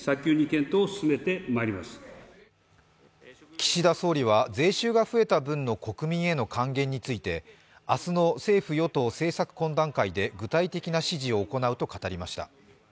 岸田総理は、税収が増えた分の国民への還元について明日の政府与党政策懇談会で具体的な指示を行うと語りました。